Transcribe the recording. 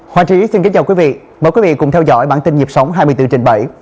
hòa trí xin kính chào quý vị mời quý vị cùng theo dõi bản tin nhịp sống hai mươi bốn trên bảy